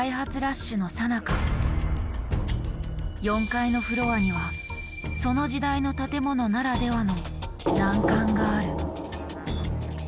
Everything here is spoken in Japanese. ４階のフロアにはその時代の建物ならではの難関がある。